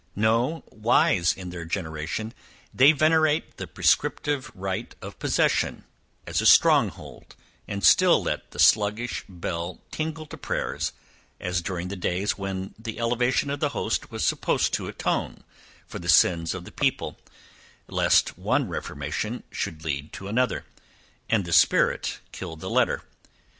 No, wise in their generation, they venerate the prescriptive right of possession, as a strong hold, and still let the sluggish bell tingle to prayers, as during the days, when the elevation of the host was supposed to atone for the sins of the people, lest one reformation should lead to another, and the spirit kill the letter.